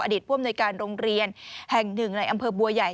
อดีตผู้อำนวยการโรงเรียนแห่ง๑ในอำเภอบัวใหญ่